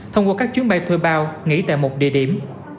thông qua các chuyến bay thuê bao nghỉ tại một địa điểm